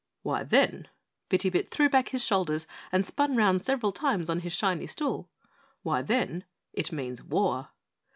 "Why then," Bitty Bit threw back his shoulders and spun round several times on his shiny stool, "why then it means WAR!"